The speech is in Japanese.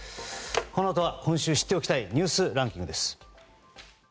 このあとは、今週知っておきたいニュースランキングです。